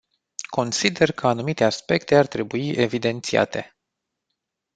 Consider că anumite aspecte ar trebui evidențiate.